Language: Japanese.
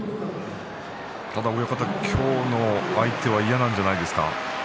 ただ、親方今日の相手は嫌なんじゃないですか？